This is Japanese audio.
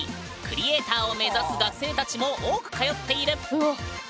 クリエーターを目指す学生たちも多く通っている